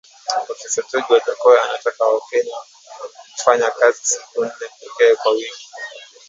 Profesa George Wajackoya anataka wakenya kufanya kazi siku nne pekee kwa wiki